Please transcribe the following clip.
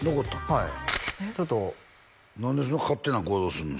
はいちょっと何でそんな勝手な行動すんの？